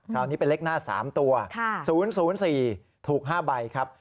คราวนี้เป็นเลขหน้า๓ตัว๐๐๔ถูก๕ใบครับ